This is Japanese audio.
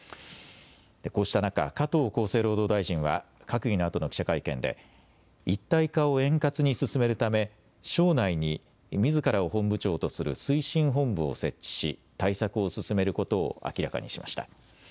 こうした中、加藤厚生労働大臣は閣議のあとの記者会見で、一体化を円滑に進めるため、省内にみずからを本部長とする推進本部を設置し、対策を進めることを明らかにしました。